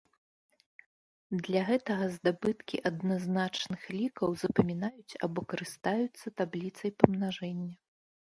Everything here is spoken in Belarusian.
Для гэтага здабыткі адназначных лікаў запамінаюць або карыстаюцца табліцай памнажэння.